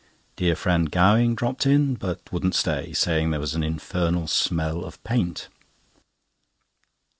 Dear friend Gowing dropped in, but wouldn't stay, saying there was an infernal smell of paint.